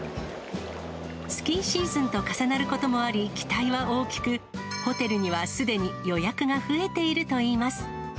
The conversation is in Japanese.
スキーシーズンと重なることもあり、期待は大きく、ホテルにはすでに予約が増えているといいます。